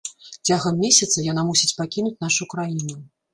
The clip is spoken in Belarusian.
Цягам месяца яна мусіць пакінуць нашу краіну.